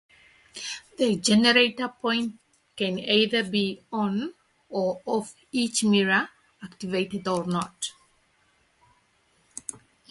The generator point can either be on or off each mirror, activated or not.